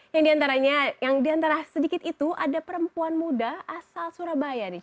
yang diantara sedikit itu ada perempuan muda asal surabaya nih